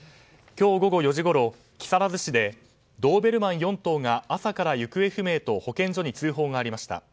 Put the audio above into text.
今日午後４時ごろ木更津市でドーベルマン４頭が朝から行方不明と保健所に通報がありました。